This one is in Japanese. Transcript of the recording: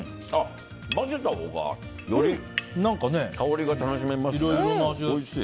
混ぜたほうがより香りが楽しめますね。